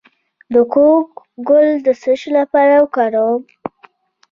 د کوکو ګل د څه لپاره وکاروم؟